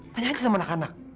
tanya aja sama anak anak